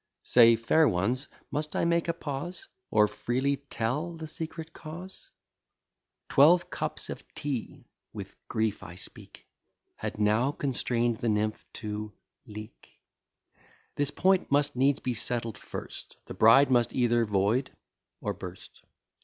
Say, fair ones, must I make a pause, Or freely tell the secret cause? Twelve cups of tea (with grief I speak) Had now constrain'd the nymph to leak. This point must needs be settled first: The bride must either void or burst.